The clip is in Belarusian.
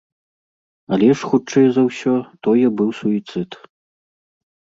Але ж, хутчэй за ўсё, тое быў суіцыд.